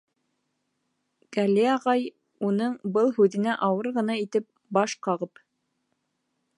Гәли ағай, уның был һүҙенә ауыр ғына итеп баш ҡағып: